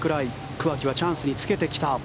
桑木はチャンスにつけてきた。